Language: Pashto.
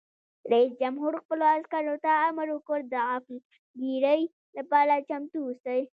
رئیس جمهور خپلو عسکرو ته امر وکړ؛ د غافلګیرۍ لپاره چمتو اوسئ!